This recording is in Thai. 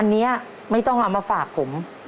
อันนี้ไม่ต้องเอามาฝากผม